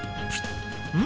うん？